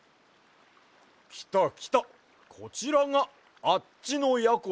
きたきたこちらがあっちのやころだわ。